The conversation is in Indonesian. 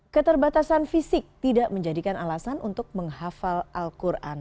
keterbatasan fisik tidak menjadikan alasan untuk menghafal al quran